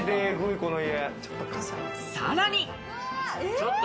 さらに。